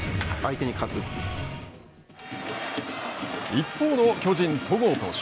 一方の巨人、戸郷投手。